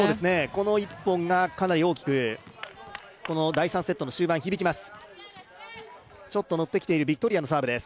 この１本がかなり大きく、第３セットの終盤に響きます。